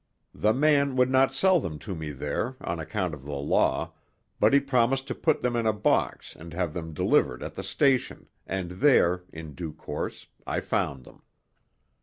The man would not sell them to me there on account of the law, but he promised to put them in a box and have them delivered at the station, and there, in due course, I found them.